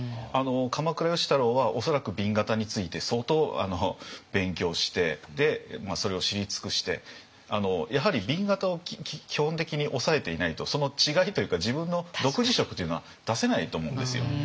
鎌倉芳太郎は恐らく紅型について相当勉強してそれを知り尽くしてやはり紅型を基本的に押さえていないとその違いというか自分の独自色というのは出せないと思うんですよ。